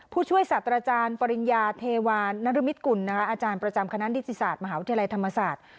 ผู้ช่วยศาสตราจารย์ปริญญาเทวานรมิตกุลอาจารย์ประจำคณะนิติศาสตร์มหาวิทยาลัยธรรมศาสตร์